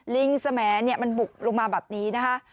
ลิงสแหมดมันบุกลงมาแบบนี้นะคะ